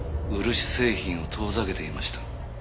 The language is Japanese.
漆製品を遠ざけていました。